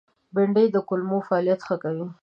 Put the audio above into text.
بېنډۍ د کولمو فعالیت ښه کوي